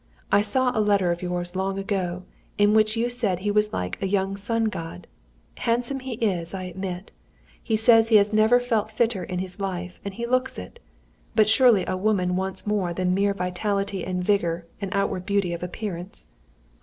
I saw a letter of yours long ago, in which you said he was like a young sun god. Handsome he is, I admit. He says he has never felt fitter in his life, and he looks it. But surely a woman wants more than mere vitality and vigour and outward beauty of appearance?